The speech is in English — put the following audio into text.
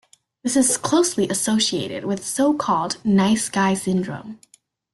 This is closely associated with so-called "nice guy syndrome".